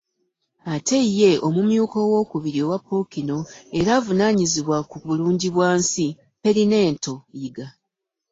Ate ye omumyuka ow'okubiri owa Ppookino era avunaanyizibwa ku Bulungi bwansi Perinento Yiga.